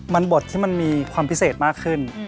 มันบดที่มันมีความพิเศษมากขึ้น